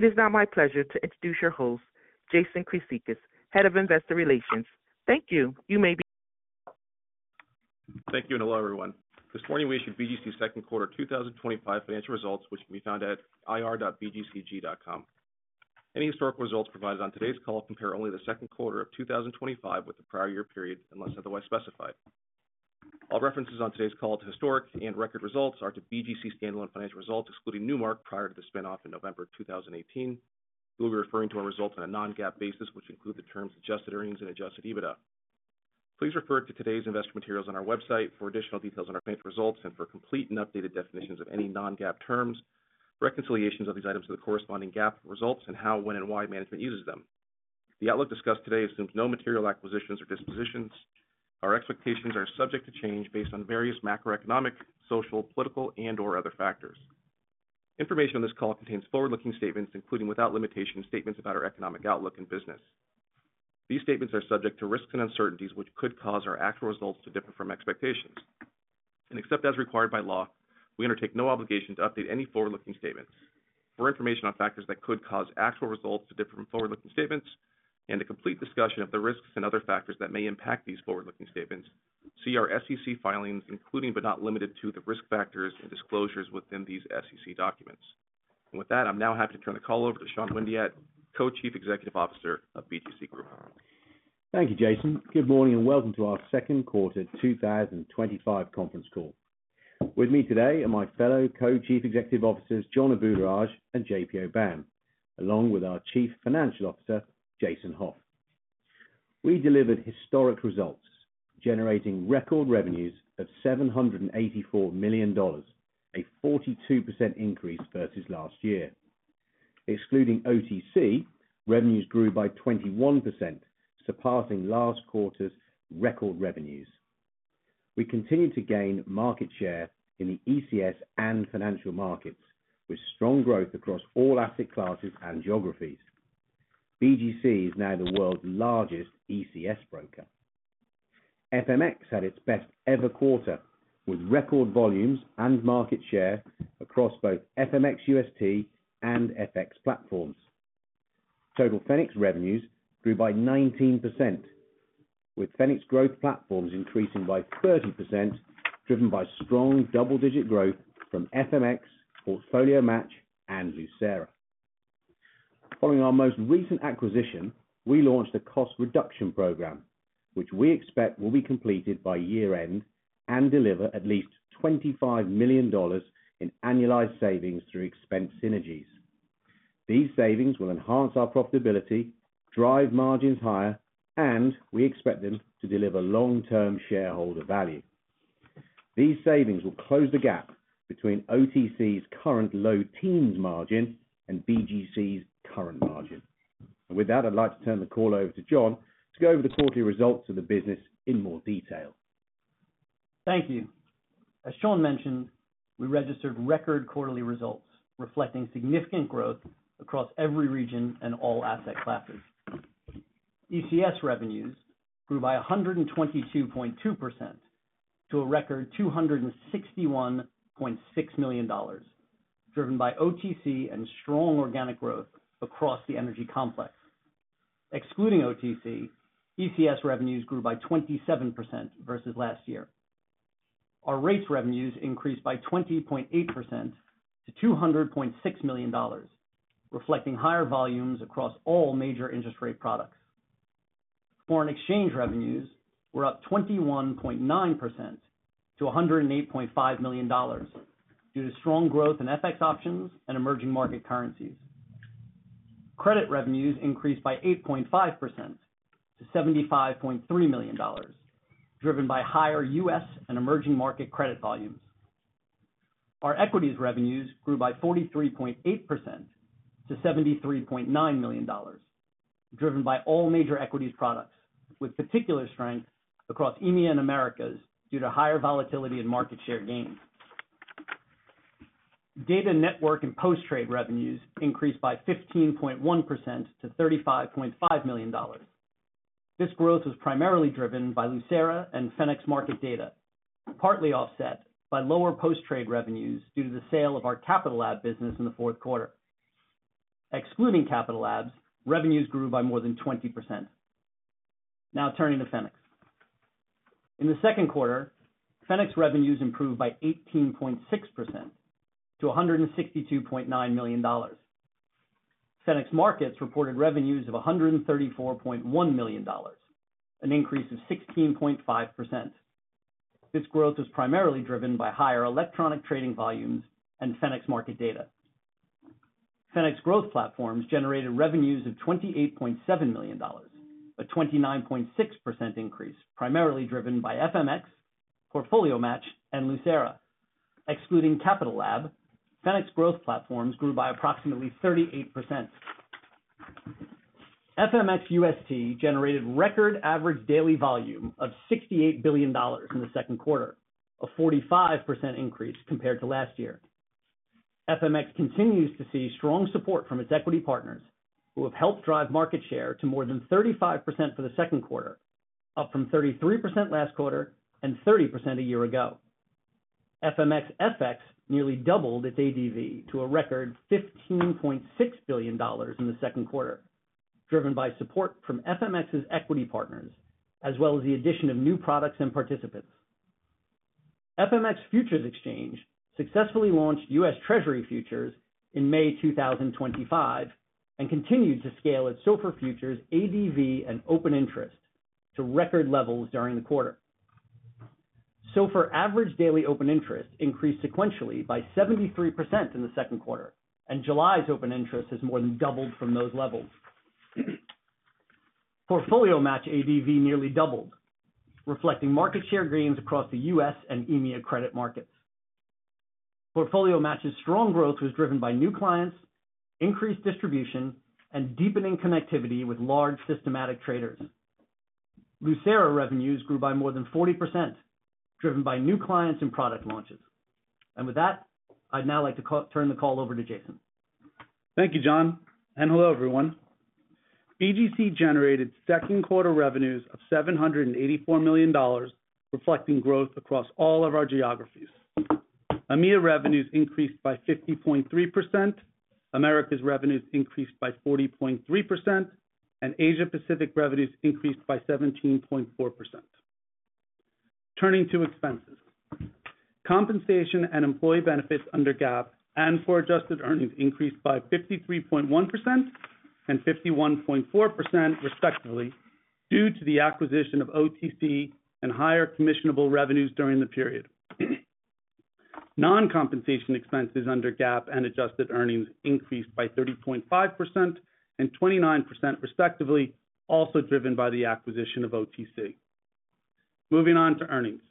It is now my pleasure to introduce your host, Jason Chryssicas, Head of Investor Relations. Thank you. You may begin. Thank you and hello, everyone. This morning we issued BGC's second quarter 2025 financial results, which can be found at ir.bgcg.com. Any historical results provided on today's call compare only the second quarter of 2025 with the prior year period unless otherwise specified. All references on today's call to historic and record results to BGC Group standalone financial results, excluding Newmark prior to the spin-off in November 2018. We will be referring to our results on a non-GAAP basis, which includes the terms adjusted earnings and adjusted EBITDA. Please refer to today's investment materials on our website for additional details on our financial results and for complete and updated definitions of any non-GAAP terms, reconciliations of these items to the corresponding GAAP results, and how, when, and why management uses them. The outlook discussed today assumes no material acquisitions or dispositions. Our expectations are subject to change based on various macroeconomic, social, political, and/or other factors. Information on this call contains forward-looking statements, including without limitation statements about our economic outlook and business. These statements are subject to risks and uncertainties which could cause our actual results to differ from expectations. Except as required by law, we undertake no obligation to update any forward-looking statements. For information on factors that could cause actual results to differ from forward-looking statements and a complete discussion of the risks and other factors that may impact these forward-looking statements, see our SEC filings, including but not limited to the risk factors and disclosures within these SEC documents. With that, I'm now happy to turn the call over to Sean Windeatt, Co-Chief Executive Officer of BGC Group. Thank you, Jason. Good morning and welcome to our second quarter 2025 conference call. With me today are my fellow Co-Chief Executive Officers, John Abularrage and JP Aubin, along with our Chief Financial Officer, Jason Hauf. We delivered historic results, generating record revenues of $784 million, a 42% increase versus last OTC, revenues grew by 21%, surpassing last quarter's record revenues. We continue to gain market share in the ECS and financial markets, with strong growth across all asset classes geographies. BGC Group is now the world's largest ECS broker. FMX had its best ever quarter, with record volumes and market share across both FMX UST and FMX FX platforms. Total Fenics revenues grew by 19%, with Fenics growth platforms increasing by 30%, driven by strong double-digit growth from FMX, Portfolio Match, and Lucera. Following our most recent acquisition, we launched a cost reduction program, which we expect will be completed by year-end and deliver at least $25 million in annualized savings through expense synergies. These savings will enhance our profitability, drive margins higher, and we expect them to deliver long-term shareholder value. These savings will close the gap between OTC's current low teens margin and BGC's current margin. With that, I'd like to turn the call over to John to go over the quarterly results of the business in more detail. Thank you. As Sean mentioned, we registered record quarterly results, reflecting significant growth across every region and all asset classes. ECS revenues grew by 122.2% to a record $261.6 million, driven by OTC and strong organic growth across the energy complex. Excluding OTC, ECS revenues grew by 27% versus last year. Our rates revenues increased by 20.8% to $200.6 million, reflecting higher volumes across all major interest rate products. Foreign exchange revenues were up 21.9% to $108.5 million due to strong growth in FX options and emerging market currencies. Credit revenues increased by 8.5% to $75.3 million, driven by higher U.S. and emerging market credit volumes. Our equities revenues grew by 43.8% to $73.9 million, driven by all major equities products, with particular strength across EMEA and Americas due to higher volatility and market share gains. Data, network, and post-trade revenues increased by 15.1% to $35.5 million. This growth was primarily driven by Lucera and Fenics market data, partly offset by lower post-trade revenues due to the sale of our Capitalab business in the fourth quarter. Excluding Capitalab, revenues grew by more than 20%. Now turning to Fenics. In the second quarter, Fenics revenues improved by 18.6% to $162.9 million. Fenics markets reported revenues of $134.1 million, an increase of 16.5%. This growth was primarily driven by higher electronic trading volumes and Fenics market data. Fenics growth platforms generated revenues of $28.7 million, a 29.6% increase, primarily driven by FMX, Portfolio Match, and Lucera. Excluding Capitalab, Fenics growth platforms grew by approximately 38%. FMX UST generated record average daily volume of $68 billion in the second quarter, a 45% increase compared to last year. FMX continues to see strong support from its equity partners, who have helped drive market share to more than 35% for the second quarter, up from 33% last quarter and 30% a year ago. FMX FX nearly doubled its ADV to a record $15.6 billion in the second quarter, driven by support from FMX's equity partners, as well as the addition of new products and participants. FMX Futures Exchange successfully launched U.S. Treasury futures in May 2025 and continued to scale its SOFR futures ADV and open interest to record levels during the quarter. SOFR average daily open interest increased sequentially by 73% in the second quarter, and July's open interest has more than doubled from those levels. Portfolio Match ADV nearly doubled, reflecting market share gains across the U.S. and EMEA credit markets. Portfolio Match's strong growth was driven by new clients, increased distribution, and deepening connectivity with large systematic traders. Lucera revenues grew by more than 40%, driven by new clients and product launches. I'd now like to turn the call over to Jason. Thank you, John, and hello, everyone. BGC generated second quarter revenues of $784 million, reflecting growth across all of our geographies. EMEA revenues increased by 50.3%, America's revenues increased by 40.3%, and Asia-Pacific revenues increased by 17.4%. Turning to expenses, compensation and employee benefits under GAAP and for adjusted earnings increased by 53.1% and 51.4%, respectively, due to the of OTC and higher commissionable revenues during the period. Non-compensation expenses under GAAP and adjusted earnings increased by 30.5% and 29%, respectively, also driven by the OTC. Moving on to earnings,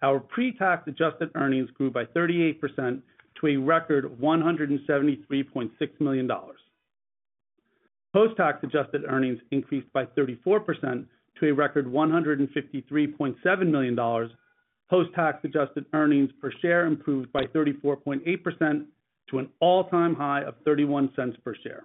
our pre-tax adjusted earnings grew by 38% to a record $173.6 million. Post-tax adjusted earnings increased by 34% to a record $153.7 million. Post-tax adjusted earnings per share improved by 34.8% to an all-time high of $0.31 per share,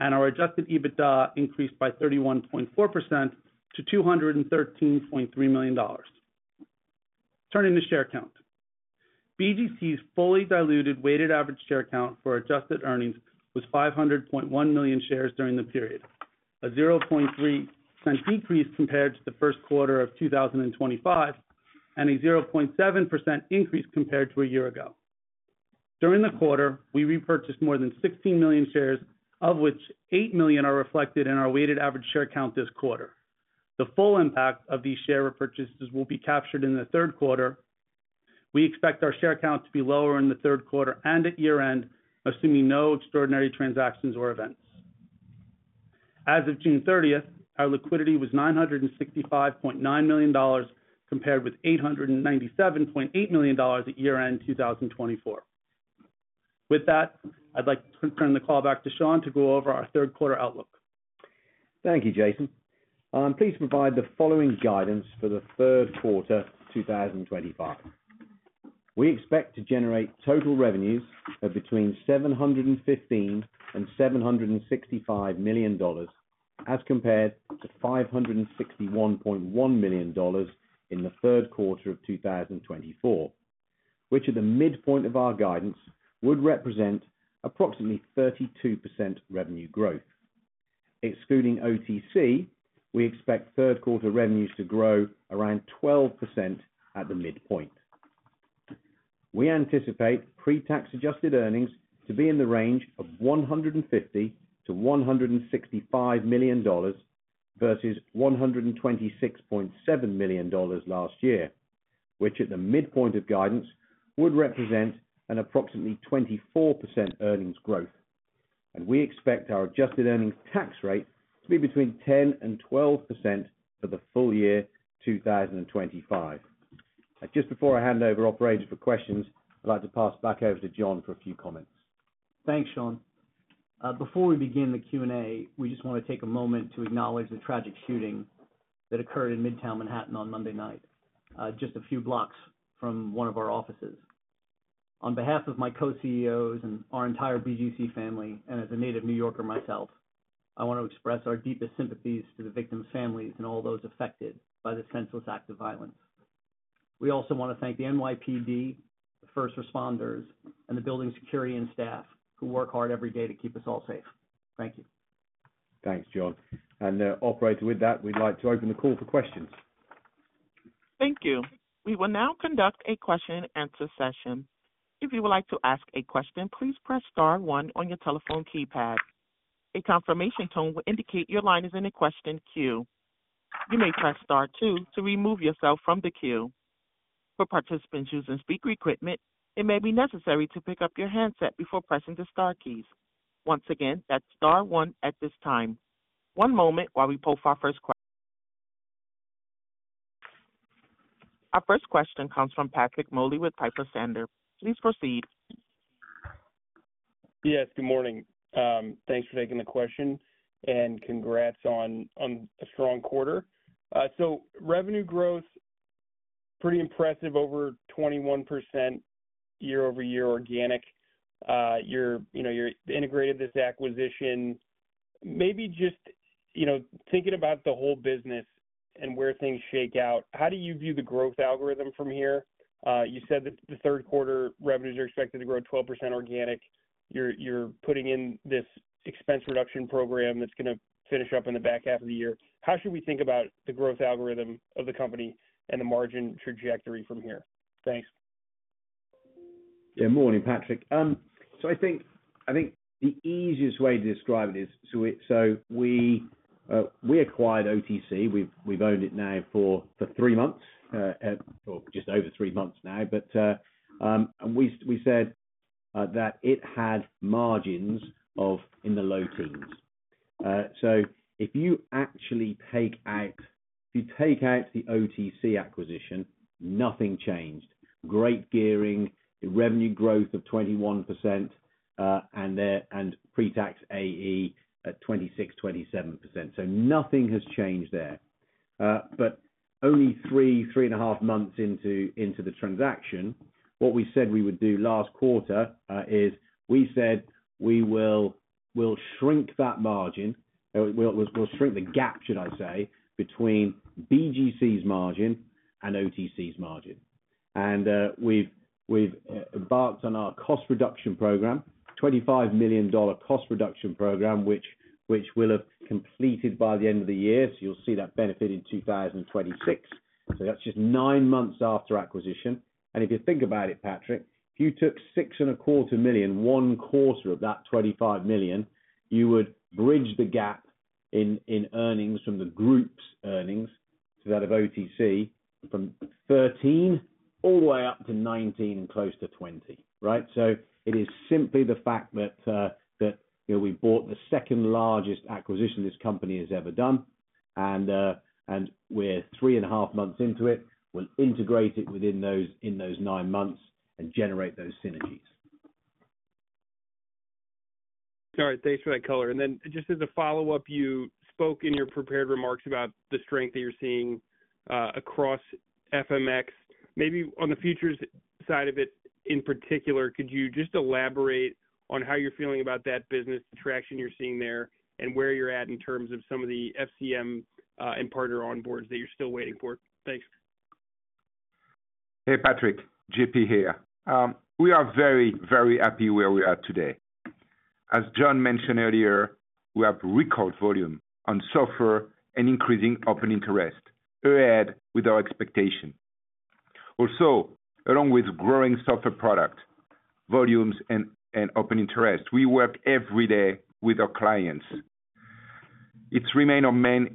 and our adjusted EBITDA increased by 31.4% to $213.3 million. Turning to share count, BGC's fully diluted weighted average share count for adjusted earnings was 500.1 million shares during the period, a 0.3% decrease compared to the first quarter of 2025 and a 0.7% increase compared to a year ago. During the quarter, we repurchased more than 16 million shares, of which 8 million are reflected in our weighted average share count this quarter. The full impact of these share repurchases will be captured in the third quarter. We expect our share count to be lower in the third quarter and at year-end, assuming no extraordinary transactions or events. As of June 30th, our liquidity was $965.9 million compared with $897.8 million at year-end 2024. With that, I'd like to turn the call back to Sean to go over our third quarter outlook. Thank you, Jason. Please provide the following guidance for the third quarter 2025. We expect to generate total revenues of between $715 million and $765 million as compared to $561.1 million in the third quarter of 2024, which at the midpoint of our guidance would represent approximately 32% revenue growth. Excluding OTC, we expect third quarter revenues to grow around 12% at the midpoint. We anticipate pre-tax adjusted earnings to be in the range of $150 million-$165 million versus $126.7 million last year, which at the midpoint of guidance would represent an approximately 24% earnings growth. We expect our adjusted earnings tax rate to be between 10% and 12% for the full year 2025. Just before I hand over operations for questions, I'd like to pass back over to John for a few comments. Thanks, Sean. Before we begin the Q&A, we just want to take a moment to acknowledge the tragic shooting that occurred in Midtown Manhattan on Monday night, just a few blocks from one of our offices. On behalf of my Co-CEOs and our entire BGC family, and as a native New Yorker myself, I want to express our deepest sympathies to the victims' families and all those affected by this senseless act of violence. We also want to thank the NYPD, the first responders, and the building security and staff who work hard every day to keep us all safe. Thank you. Thanks, John. Operators, with that, we'd like to open the call for questions. Thank you. We will now conduct a question-and-answer session. If you would like to ask a question, please press star one on your telephone keypad. A confirmation tone will indicate your line is in a question queue. You may press star two to remove yourself from the queue. For participants using speaker equipment, it may be necessary to pick up your handset before pressing the star keys. Once again, that's star one at this time. One moment while we pull for our first question. Our first question comes from Patrick Moley with Piper Sandler. Please proceed. Yes, good morning. Thanks for taking the question and congrats on a strong quarter. Revenue growth, pretty impressive, over 21% year-over-year organic. You're integrating this acquisition. Maybe just thinking about the whole business and where things shake out, how do you view the growth algorithm from here? You said that the third quarter revenues are expected to grow 12% organic. You're putting in this expense reduction program that's going to finish up in the back half of the year. How should we think about the growth algorithm of the company and the margin trajectory from here? Thanks. Yeah, good morning, Patrick. I think the easiest way to describe it is, we acquired OTC. We've owned it now for three months, or just over three months now. We said that it had margins in the low teens. If you actually take out the OTC acquisition, nothing changed. Great gearing, revenue growth of 21%, and pre-tax adjusted earnings at 26%, 27%. Nothing has changed there. Only three, three and a half months into the transaction, what we said we would do last quarter is we said we will shrink that margin, we'll shrink the gap, should I BGC Group's margin and OTC' margin. We've embarked on our cost reduction program, $25 million cost reduction program, which we'll have completed by the end of the year. You'll see that benefit in 2026. That's just nine months after acquisition. If you think about it, Patrick, if you took $6.25 million, one quarter of that $25 million, you would bridge the gap in earnings from the group's earnings to of OTC from 13 all the way up to 19 and close to 20, right? It is simply the fact that we bought the second-largest acquisition this company has ever done. We're three and a half months into it. We'll integrate it within those nine months and generate those synergies. All right, thanks for that color. Just as a follow-up, you spoke in your prepared remarks about the strength that you're seeing across FMX. Maybe on the futures side of it in particular, could you just elaborate on how you're feeling about that business, the traction you're seeing there, and where you're at in terms of some of the FCM and partner onboards that you're still waiting for? Thanks. Hey, Patrick. JP here. We are very, very happy where we are today. As John mentioned earlier, we have record volume on SOFR and increasing open interest, EUD with our expectation. Also, along with growing SOFR product, volumes, and open interest, we work every day with our clients. It's remained our main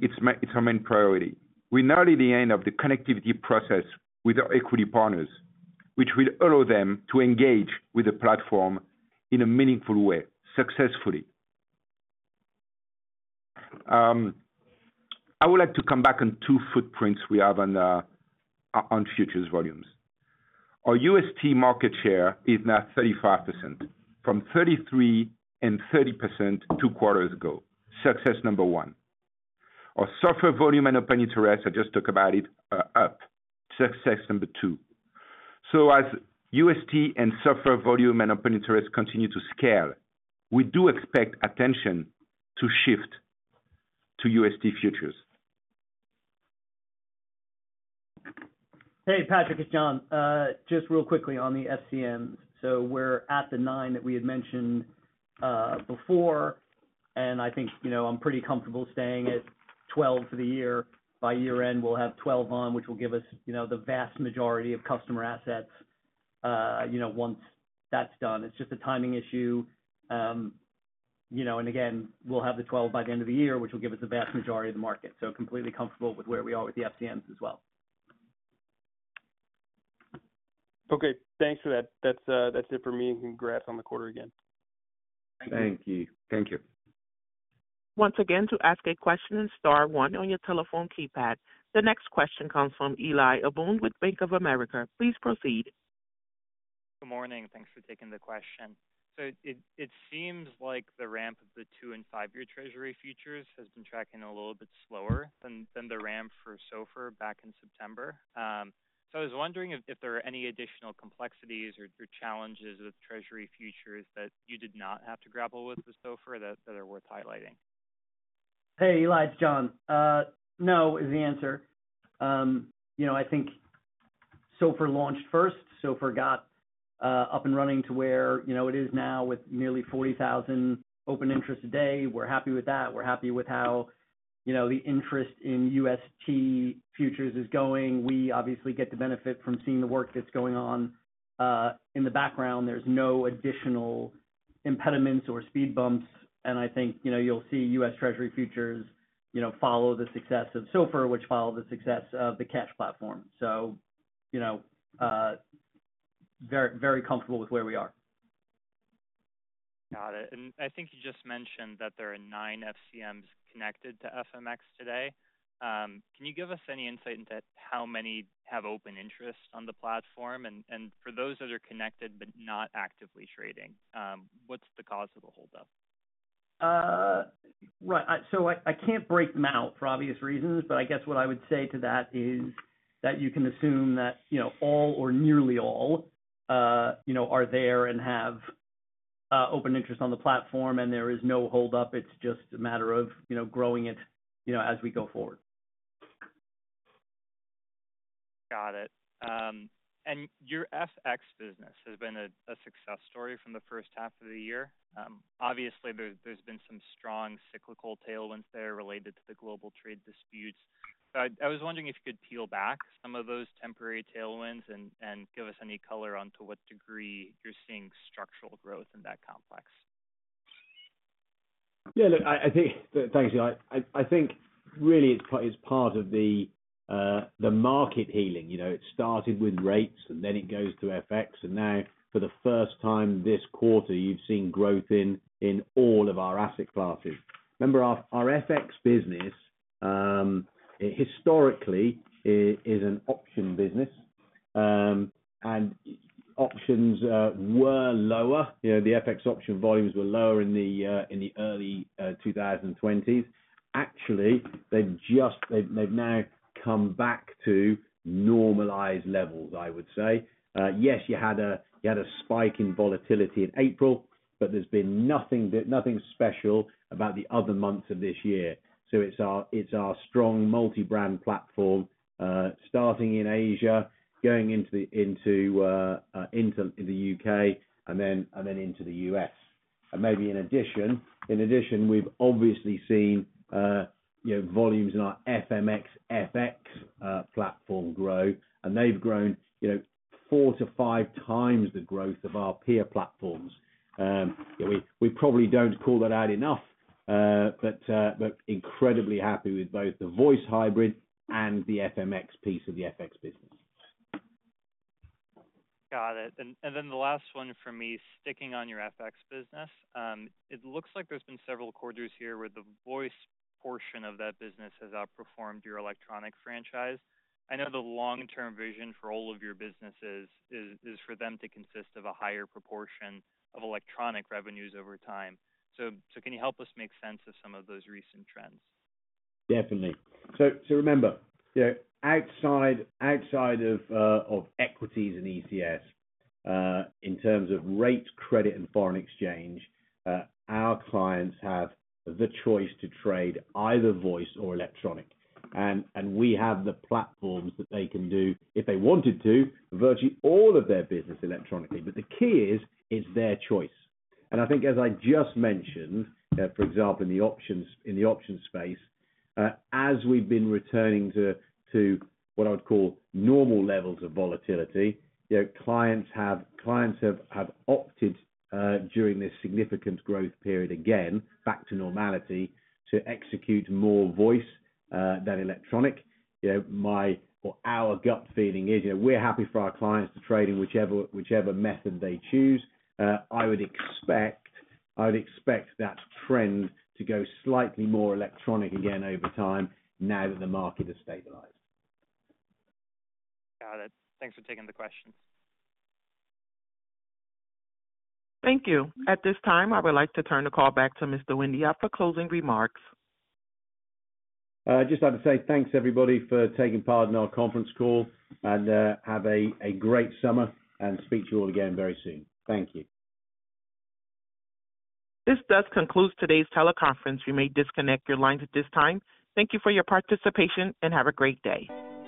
priority. We're now at the end of the connectivity process with our equity partners, which will allow them to engage with the platform in a meaningful way, successfully. I would like to come back on two footprints we have on futures volumes. Our UST market share is now 35%, from 33% and 30% two quarters ago, success number one. Our SOFR volume and open interest, I just talked about it, are up, success number two. As UST and SOFR volume and open interest continue to scale, we do expect attention to shift to UST futures. Hey, Patrick, it's John. Just real quickly on the FCM. We're at the nine that we had mentioned before, and I think I'm pretty comfortable staying at 12 for the year. By year-end, we'll have 12 on, which will give us the vast majority of customer assets once that's done. It's just a timing issue. We'll have the 12 by the end of the year, which will give us the vast majority of the market. Completely comfortable with where we are with the FCMs as well. Okay, thanks for that. That's it for me. Congrats on the quarter again. Thank you. Thank you. Once again, to ask a question, press star one on your telephone keypad. The next question comes from Elias Abboud with Bank of America. Please proceed. Good morning. Thanks for taking the question. It seems like the ramp of the two and five-year Treasury futures has been tracking a little bit slower than the ramp for SOFR back in September. I was wondering if there are any additional complexities or challenges with Treasury futures that you did not have to grapple with with SOFR that are worth highlighting. Hey, Eli, it's John. No, is the answer. I think SOFR launched first. SOFR got up and running to where it is now with nearly 40,000 open interests a day. We're happy with that. We're happy with how the interest in U.S. Treasury futures is going. We obviously get to benefit from seeing the work that's going on in the background. There's no additional impediments or speed bumps. I think you'll see U.S. Treasury futures follow the success of SOFR, which followed the success of the cash platform. Very comfortable with where we are. Got it. I think you just mentioned that there are nine FCMs connected to FMX today. Can you give us any insight into how many have open interest on the platform? For those that are connected but not actively trading, what's the cause of the holdup? Right. I can't break them out for obvious reasons, but I guess what I would say to that is that you can assume that all or nearly all are there and have open interest on the platform, and there is no holdup. It's just a matter of growing it as we go forward. Got it. Your FX business has been a success story from the first half of the year. Obviously, there's been some strong cyclical tailwinds there related to the global trade disputes. I was wondering if you could peel back some of those temporary tailwinds and give us any color onto what degree you're seeing structural growth in that complex. Yeah, look, I think, thanks, Eli. I think really it's part of the market healing. It started with rates and then it goes to FX. Now, for the first time this quarter, you've seen growth in all of our asset classes. Remember, our FX business historically is an option business. Options were lower. The FX option volumes were lower in the early 2020s. Actually, they've now come back to normalized levels, I would say. Yes, you had a spike in volatility in April, but there's been nothing special about the other months of this year. It's our strong multi-brand platform starting in Asia, going into the UK, and then into the U.S. Maybe in addition, we've obviously seen volumes in our FMX FX platform grow, and they've grown four to five times the growth of our peer platforms. We probably don't call that out enough, but incredibly happy with both the voice hybrid and the FMX piece of the FX business. Got it. The last one for me, sticking on your FX business, it looks like there's been several quarters here where the voice portion of that business has outperformed your electronic franchise. I know the long-term vision for all of your businesses is for them to consist of a higher proportion of electronic revenues over time. Can you help us make sense of some of those recent trends? Definitely. Remember, outside of equities and ECS, in terms of rate, credit, and foreign exchange, our clients have the choice to trade either voice or electronic. We have the platforms that they can do, if they wanted to, virtually all of their business electronically. The key is, it's their choice. I think, as I just mentioned, for example, in the options space, as we've been returning to what I would call normal levels of volatility, clients have opted during this significant growth period again, back to normality, to execute more voice than electronic. My or our gut feeling is, we're happy for our clients to trade in whichever method they choose. I would expect that trend to go slightly more electronic again over time now that the market has stabilized. Got it. Thanks for taking the questions. Thank you. At this time, I would like to turn the call back to Mr. Windeatt for closing remarks. I'd just like to say thanks, everybody, for taking part in our conference call. Have a great summer and speak to you all again very soon. Thank you. This does conclude today's teleconference. We may disconnect your lines at this time. Thank you for your participation and have a great day.